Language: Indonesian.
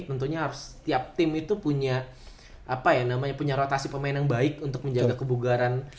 tentunya harus tiap tim itu punya apa ya namanya punya rotasi pemain yang baik untuk menjaga kebugaran